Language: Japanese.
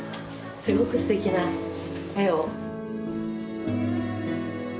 すごくすてきな絵を。